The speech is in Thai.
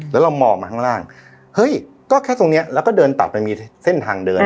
แล้วเรามองมาข้างล่างเฮ้ยก็แค่ตรงนี้แล้วก็เดินต่อไปมีเส้นทางเดิน